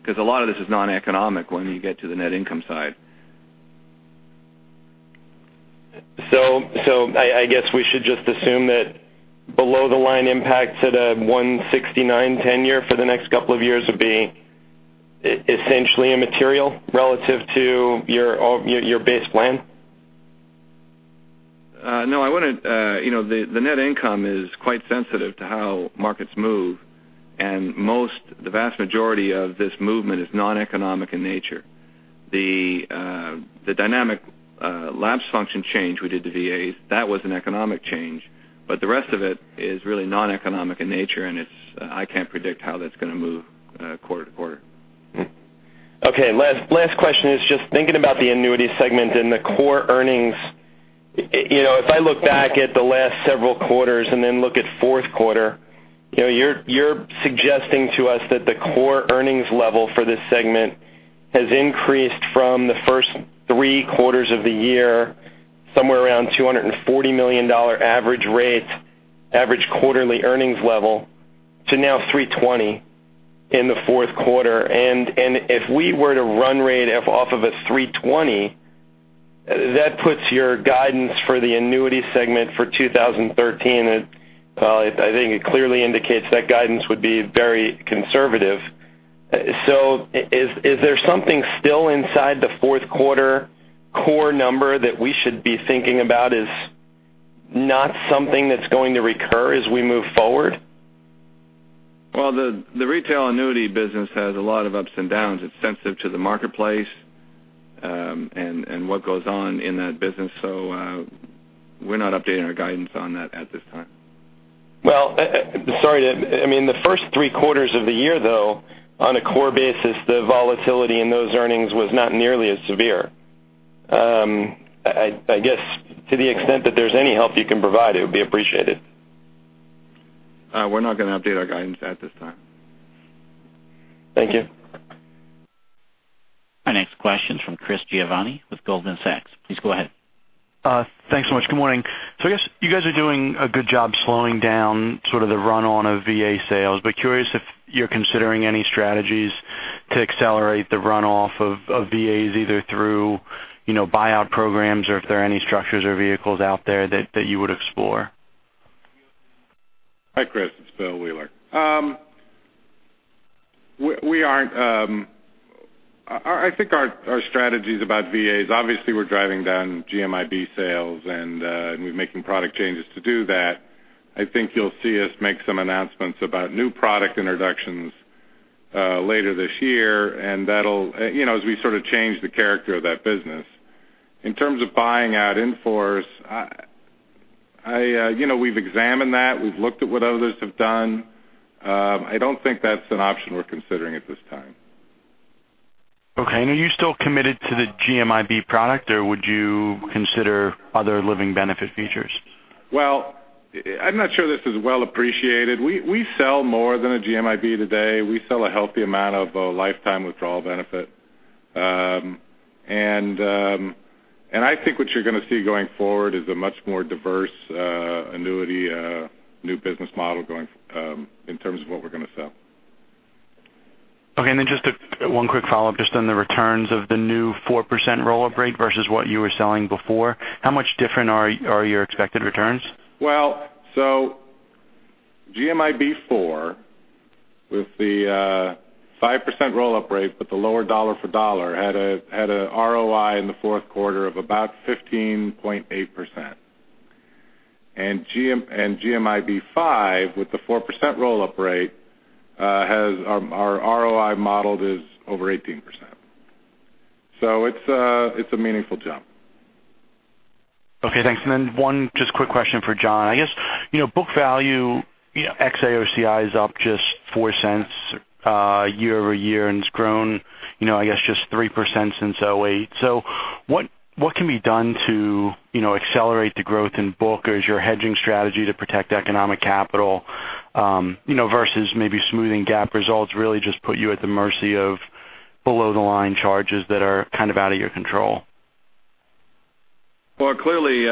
because a lot of this is non-economic when you get to the net income side. I guess we should just assume that below the line impacts at a 169 tenure for the next couple of years would be essentially immaterial relative to your base plan? No, the net income is quite sensitive to how markets move, and the vast majority of this movement is non-economic in nature. The dynamic lapse function change we did to VAs, that was an economic change, but the rest of it is really non-economic in nature, and I can't predict how that's going to move quarter to quarter. Okay, last question is just thinking about the annuity segment and the core earnings. If I look back at the last several quarters and then look at fourth quarter, you're suggesting to us that the core earnings level for this segment has increased from the first three quarters of the year, somewhere around $240 million average rates, average quarterly earnings level, to now $320 million in the fourth quarter. If we were to run rate off of a $320 million, that puts your guidance for the annuity segment for 2013 at, I think it clearly indicates that guidance would be very conservative. Is there something still inside the fourth quarter core number that we should be thinking about as not something that's going to recur as we move forward? Well, the retail annuity business has a lot of ups and downs. It's sensitive to the marketplace, and what goes on in that business. We're not updating our guidance on that at this time. Well, sorry. I mean, the first three quarters of the year, though, on a core basis, the volatility in those earnings was not nearly as severe. I guess to the extent that there's any help you can provide, it would be appreciated. We're not going to update our guidance at this time. Thank you. Our next question is from Chris Giovanni with Goldman Sachs. Please go ahead. Thanks so much. Good morning. I guess you guys are doing a good job slowing down sort of the run-on of VA sales, but curious if you're considering any strategies to accelerate the run-off of VAs, either through buyout programs or if there are any structures or vehicles out there that you would explore. Hi, Chris. It's William Wheeler. I think our strategies about VAs, obviously, we're driving down GMIB sales, we're making product changes to do that. I think you'll see us make some announcements about new product introductions later this year, as we sort of change the character of that business. In terms of buying out inforce, we've examined that. We've looked at what others have done. I don't think that's an option we're considering at this time. Okay. Are you still committed to the GMIB product, or would you consider other lifetime withdrawal benefit features? Well, I'm not sure this is well appreciated. We sell more than a GMIB today. We sell a healthy amount of lifetime withdrawal benefit. I think what you're going to see going forward is a much more diverse annuity, new business model in terms of what we're going to sell. Okay, just one quick follow-up just on the returns of the new 4% roll-up rate versus what you were selling before. How much different are your expected returns? Well, GMIB 4 with the 5% roll-up rate, but the lower dollar for dollar, had an ROI in the fourth quarter of about 15.8%. GMIB 5 with the 4% roll-up rate, our ROI model is over 18%. It's a meaningful jump. Okay, thanks. One just quick question for John. I guess book value ex-AOCI is up just $0.04 year-over-year, and it's grown, I guess just 3% since 2008. What can be done to accelerate the growth in book? Is your hedging strategy to protect economic capital versus maybe smoothing GAAP results really just put you at the mercy of below the line charges that are kind of out of your control? Well, clearly,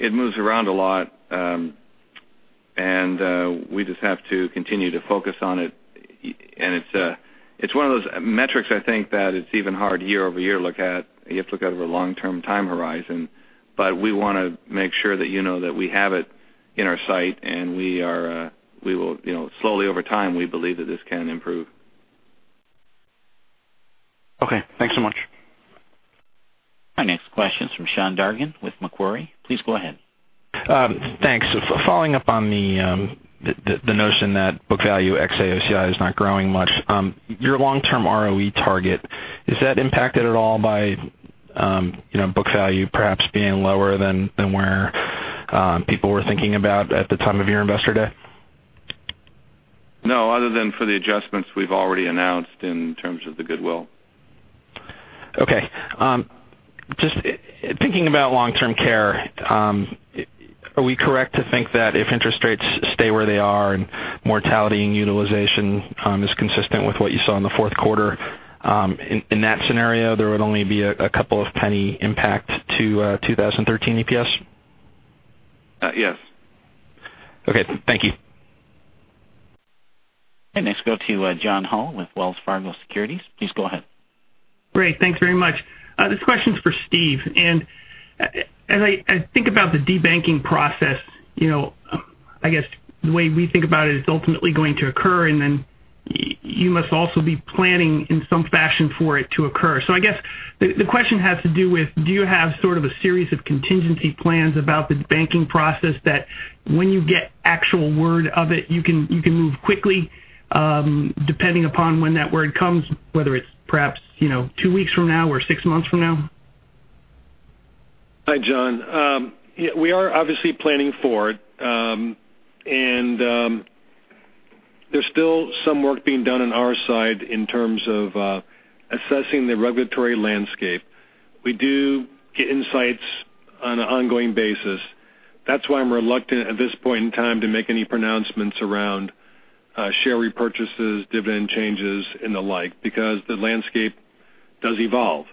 it moves around a lot. We just have to continue to focus on it. It's one of those metrics, I think, that it's even hard year-over-year to look at. You have to look at it over a long-term time horizon. We want to make sure that you know that we have it in our sight, and slowly over time, we believe that this can improve. Okay, thanks so much. Our next question is from Sean Dargan with Macquarie. Please go ahead. Thanks. Following up on the notion that book value ex-AOCI is not growing much. Your long-term ROE target, is that impacted at all by book value perhaps being lower than where people were thinking about at the time of your investor day? No, other than for the adjustments we've already announced in terms of the goodwill. Okay. Just thinking about long-term care, are we correct to think that if interest rates stay where they are and mortality and utilization is consistent with what you saw in the fourth quarter, in that scenario, there would only be a couple of penny impact to 2013 EPS? Yes. Okay, thank you. Next, go to John Hall with Wells Fargo Securities. Please go ahead. Great. Thanks very much. This question's for Steve. As I think about the debanking process, I guess the way we think about it is ultimately going to occur, then you must also be planning in some fashion for it to occur. I guess the question has to do with, do you have sort of a series of contingency plans about the debanking process that when you get actual word of it, you can move quickly, depending upon when that word comes, whether it's perhaps two weeks from now or six months from now? Hi, John. We are obviously planning for it. There's still some work being done on our side in terms of assessing the regulatory landscape. We do get insights on an ongoing basis. That's why I'm reluctant at this point in time to make any pronouncements around share repurchases, dividend changes, and the like, because the landscape does evolve.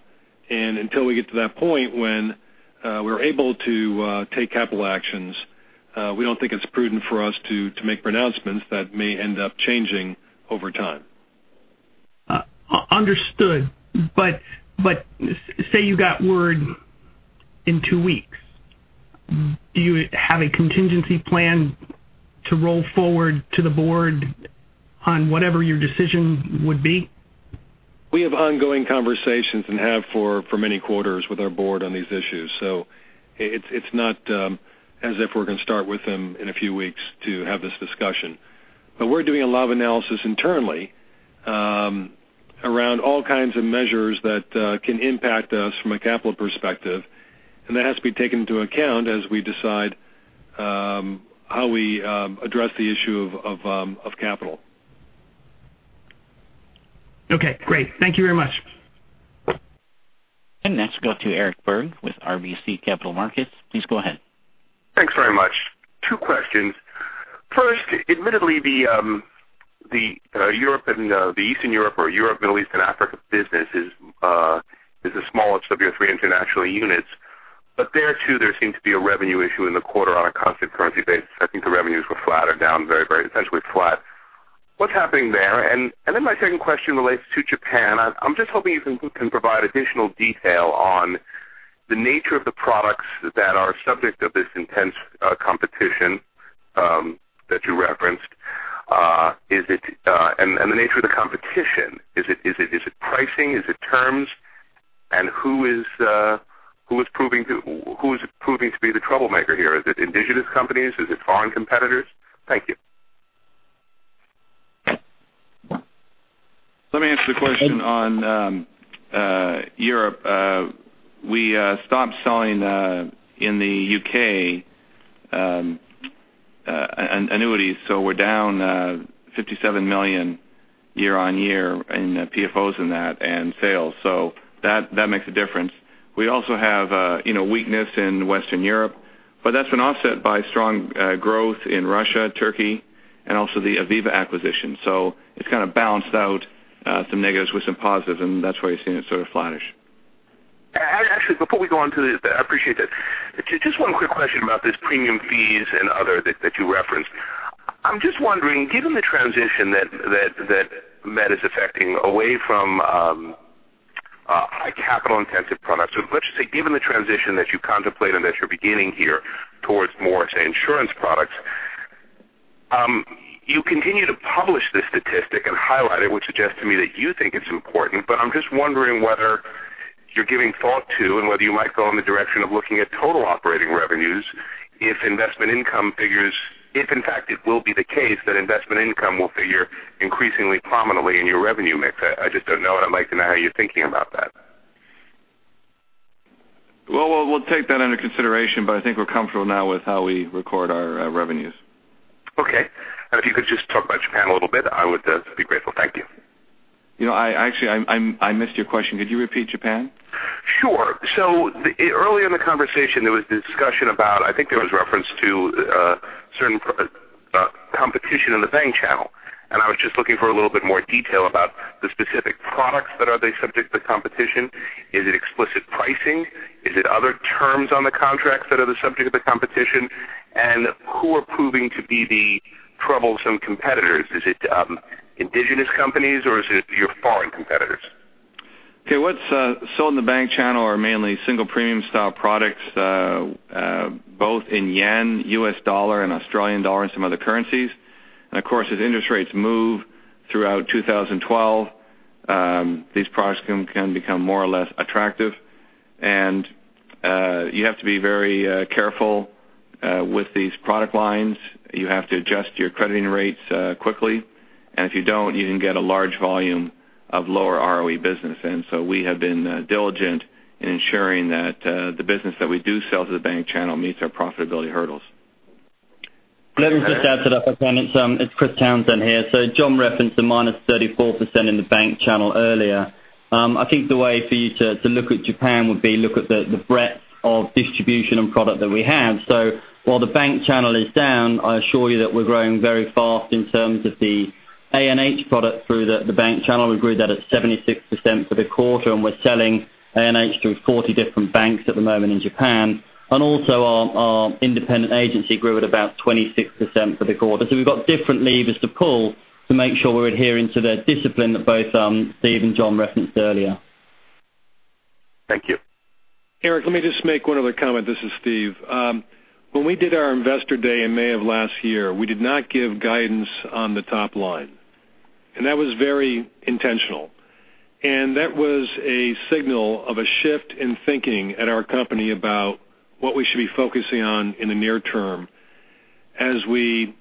Until we get to that point when we're able to take capital actions, we don't think it's prudent for us to make pronouncements that may end up changing over time. Understood. Say you got word in two weeks. Do you have a contingency plan to roll forward to the board on whatever your decision would be? We have ongoing conversations and have for many quarters with our board on these issues. It's not as if we're going to start with them in a few weeks to have this discussion. We're doing a lot of analysis internally around all kinds of measures that can impact us from a capital perspective, and that has to be taken into account as we decide how we address the issue of capital. Okay, great. Thank you very much. Next, we'll go to Eric Berg with RBC Capital Markets. Please go ahead. Thanks very much. Two questions. First, admittedly, the Eastern Europe or Europe, Middle East, and Africa business is the smallest of your three international units. There too, there seems to be a revenue issue in the quarter on a constant currency basis. I think the revenues were flat or down very, essentially flat. What's happening there? My second question relates to Japan. I'm just hoping you can provide additional detail on the nature of the products that are subject of this intense competition that you referenced. The nature of the competition, is it pricing? Is it terms? Who is proving to be the troublemaker here? Is it indigenous companies? Is it foreign competitors? Thank you. Let me answer the question on Europe. We stopped selling in the U.K. annuities, we're down $57 million year-on-year in PFOs in that and sales. That makes a difference. We also have weakness in Western Europe, but that's been offset by strong growth in Russia, Turkey, and also the Aviva acquisition. It's kind of balanced out some negatives with some positives, and that's why you're seeing it sort of flattish. Actually, before we go onto this, I appreciate that. Just one quick question about these premium fees and other that you referenced. I'm just wondering, given the transition that Met is affecting away from high capital intensive products, or let's just say, given the transition that you contemplated that you're beginning here towards more, say, insurance products, you continue to publish this statistic and highlight it, which suggests to me that you think it's important. I'm just wondering whether you're giving thought to, and whether you might go in the direction of looking at total operating revenues if investment income figures, if in fact it will be the case, that investment income will figure increasingly prominently in your revenue mix. I just don't know, and I'd like to know how you're thinking about that. We'll take that under consideration, but I think we're comfortable now with how we record our revenues. Okay. If you could just talk about Japan a little bit, I would be grateful. Thank you. Actually, I missed your question. Could you repeat Japan? Sure. Earlier in the conversation, there was discussion about, I think there was reference to certain competition in the bank channel. I was just looking for a little bit more detail about the specific products that are the subject to competition. Is it explicit pricing? Is it other terms on the contracts that are the subject of the competition? Who are proving to be the troublesome competitors? Is it indigenous companies or is it your foreign competitors? Okay. What's sold in the bank channel are mainly single premium style products, both in yen, US dollar and Australian dollar, and some other currencies. Of course, as interest rates move throughout 2012, these products can become more or less attractive. You have to be very careful with these product lines. You have to adjust your crediting rates quickly, and if you don't, you can get a large volume of lower ROE business. We have been diligent in ensuring that the business that we do sell to the bank channel meets our profitability hurdles. Let me just add to that, if I can. It's Chris Townsend here. John referenced the minus 34% in the bank channel earlier. I think the way for you to look at Japan would be look at the breadth of distribution and product that we have. While the bank channel is down, I assure you that we're growing very fast in terms of the A&H product through the bank channel. We grew that at 76% for the quarter, and we're selling A&H through 40 different banks at the moment in Japan. Also our independent agency grew at about 26% for the quarter. We've got different levers to pull to make sure we're adhering to the discipline that both Steve and John referenced earlier. Thank you. Eric, let me just make one other comment. This is Steve. When we did our investor day in May of last year, we did not give guidance on the top line, and that was very intentional. That was a signal of a shift in thinking at our company about what we should be focusing on in the near term as we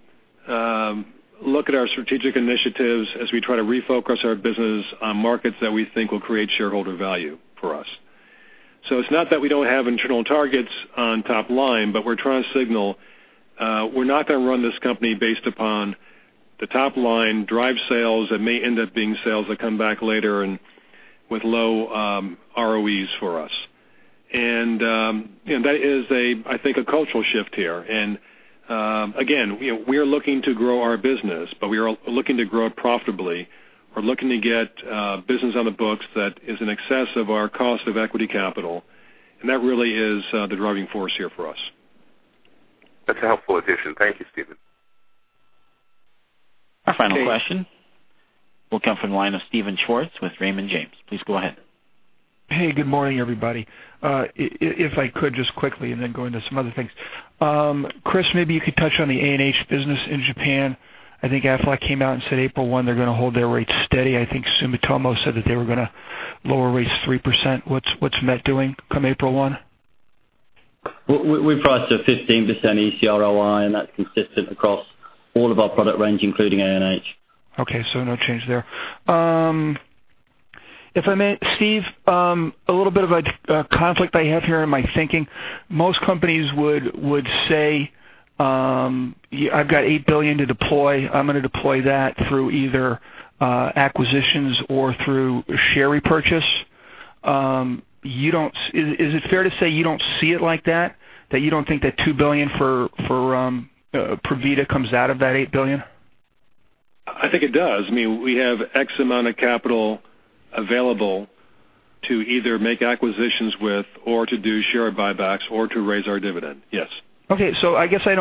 look at our strategic initiatives, as we try to refocus our business on markets that we think will create shareholder value for us. It's not that we don't have internal targets on top line, but we're trying to signal, we're not going to run this company based upon the top line, drive sales that may end up being sales that come back later and with low ROEs for us. That is, I think, a cultural shift here. Again, we are looking to grow our business, but we are looking to grow it profitably. We're looking to get business on the books that is in excess of our cost of equity capital, that really is the driving force here for us. That's a helpful addition. Thank you, Steven. Our final question will come from the line of Steven Schwartz with Raymond James. Please go ahead. Hey, good morning, everybody. If I could just quickly and then go into some other things. Chris, maybe you could touch on the A&H business in Japan. I think Aflac came out and said April 1 they're going to hold their rates steady. I think Sumitomo said that they were going to lower rates 3%. What's Met doing come April 1? We priced a 15% ECR ROI. That's consistent across all of our product range, including A&H. Okay, no change there. Steven, a little bit of a conflict I have here in my thinking. Most companies would say, I've got $8 billion to deploy. I'm going to deploy that through either acquisitions or through share repurchase. Is it fair to say you don't see it like that? That you don't think that $2 billion for Provida comes out of that $8 billion? I think it does. I mean, we have X amount of capital available to either make acquisitions with or to do share buybacks or to raise our dividend, yes. Okay. I guess I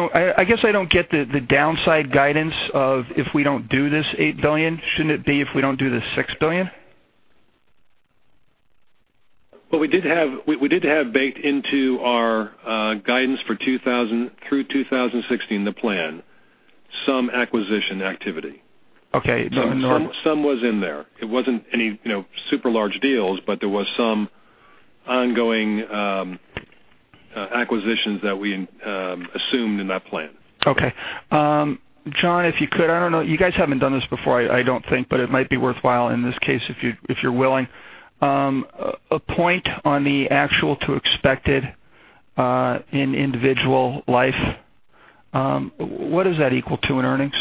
don't get the downside guidance of if we don't do this $8 billion, shouldn't it be if we don't do this $6 billion? Well, we did have baked into our guidance through 2016 the plan, some acquisition activity. Okay. Some was in there. It wasn't any super large deals, but there was some ongoing acquisitions that we assumed in that plan. Okay. John, if you could, I don't know, you guys haven't done this before, I don't think, but it might be worthwhile in this case if you're willing. A point on the actual to expected in individual life, what does that equal to in earnings?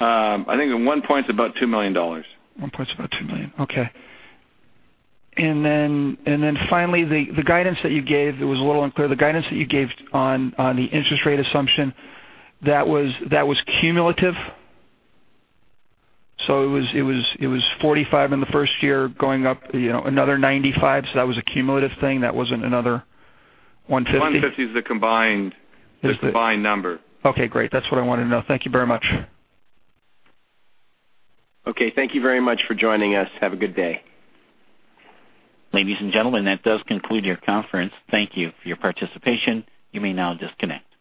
I think one point's about $2 million. One point's about $2 million. Okay. Finally, the guidance that you gave, it was a little unclear, the guidance that you gave on the interest rate assumption, that was cumulative? It was 45 in the first year, going up another 95. That was a cumulative thing. That wasn't another 150. 150 is the combined number. Okay, great. That's what I wanted to know. Thank you very much. Okay. Thank you very much for joining us. Have a good day. Ladies and gentlemen, that does conclude your conference. Thank you for your participation. You may now disconnect.